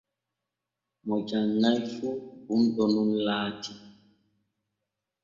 Mo janŋai fu bunɗo nun laati.